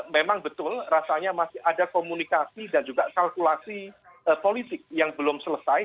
memang betul rasanya masih ada komunikasi dan juga kalkulasi politik yang belum selesai